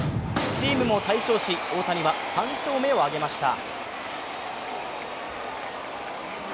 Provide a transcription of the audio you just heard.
チームも大勝し、大谷は３勝目を挙げました。